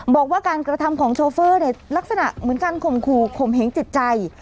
บอกว่าการกระทำของโชเฟอร์เนี่ยลักษณะเหมือนการข่มขู่ข่มเหงจิตใจ